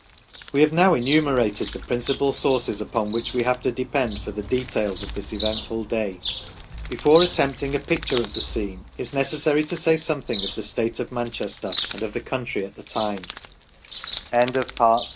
We have now enumerated the principal sources upon which we have to depend for the details of this eventful day ; before attempting a picture of the scene it is necessary to say something of the state of Manchester and of t